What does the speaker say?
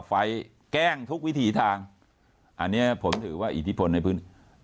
ไฟล์แกล้งทุกวิถีทางอันนี้ผมถือว่าอิทธิพลในพื้น